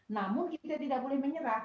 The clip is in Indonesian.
namun kita tidak boleh menyerah